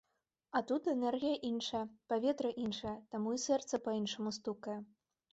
А тут энергія іншая, паветра іншае, таму і сэрца па-іншаму стукае.